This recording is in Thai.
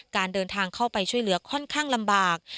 การเดินทางเข้าไปช่วยเหลือค่อนข้างลำบาก